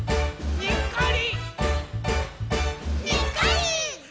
「にっこり！」